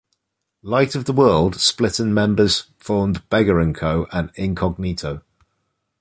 Light of the World split and members formed Beggar and Co and Incognito.